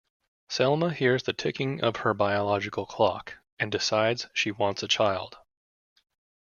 Selma hears the ticking of her biological clock, and decides she wants a child.